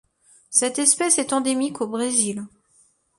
Cette espèce est endémique au Brésil.